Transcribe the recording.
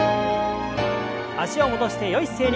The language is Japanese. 脚を戻してよい姿勢に。